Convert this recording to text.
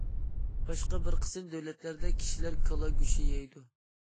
باشقا بىر قىسىم دۆلەتلەردە كىشىلەر كالا گۆشى يەيدۇ.